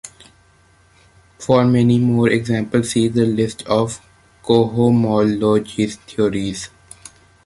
For many more examples, see the list of cohomology theories.